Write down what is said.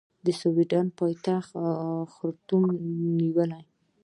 د سوډان پایتخت خرطوم ونیو.